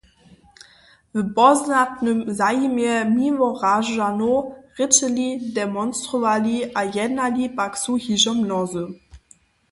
W pozdatnym zajimje Miłoražanow rěčeli, demonstrawali a jednali pak su hižo mnozy.